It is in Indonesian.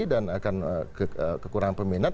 dan akan kekurangan peminat